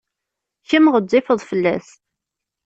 Kemm ɣezzifeḍ fell-as.